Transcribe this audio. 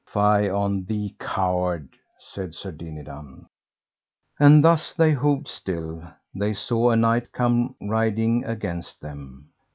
Fie on thee, coward, said Sir Dinadan. And thus as they hoved still, they saw a knight come riding against them.